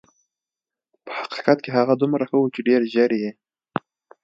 په حقیقت کې هغه دومره ښه وه چې ډېر ژر یې.